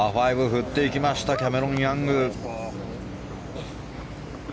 振っていきましたキャメロン・ヤング。